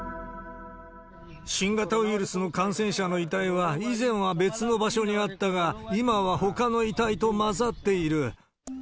新型ウイルスの感染者の遺体は以前は別の場所にあったが、今はほかの遺体と混ざっている。